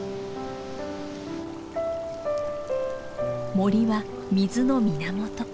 森は水の源。